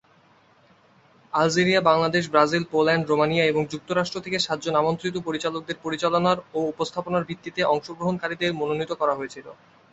Algeria, Bangladesh, Brazil, Poland, Romania এবং যুক্তরাষ্ট্র থেকে সাতজন আমন্ত্রিত পরিচালকদের পরিচালনার ও উপস্থাপনার ভিত্তিতে অংশগ্রহণকারীদের মনোনীত করা হয়েছিল।